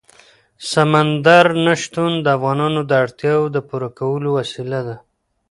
سمندر نه شتون د افغانانو د اړتیاوو د پوره کولو وسیله ده.